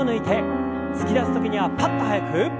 突き出す時にはパッと早く。